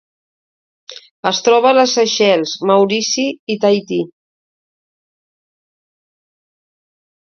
Es troba a les Seychelles, Maurici i Tahití.